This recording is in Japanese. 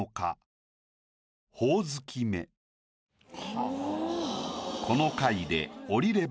はあ。